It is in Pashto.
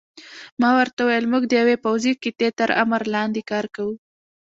ما ورته وویل: موږ د یوې پوځي قطعې تر امر لاندې کار کوو.